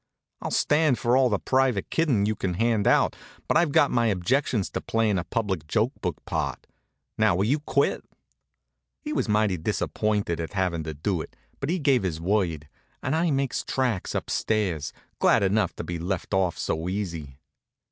I'll stand for all the private kiddin' you can hand out, but I've got my objections to playin' a public joke book part. Now, will you quit?" He was mighty disappointed at havin' to do it, but he gave his word, and I makes tracks up stairs, glad enough to be let off so easy.